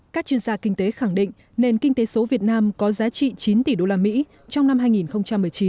các chuyên gia kinh tế khẳng định nền kinh tế số việt nam có giá trị chín tỷ usd trong năm hai nghìn một mươi chín